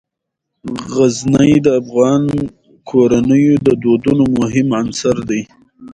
غزني د افغان کورنیو د دودونو مهم عنصر دی.